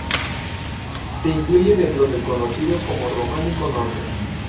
Se incluye dentro del conocido como 'Románico Norte'.